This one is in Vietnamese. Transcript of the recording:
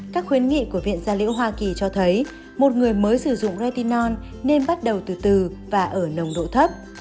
các khuyến nghị của viện gia liễu hoa kỳ cho thấy một người mới sử dụng ration nên bắt đầu từ từ và ở nồng độ thấp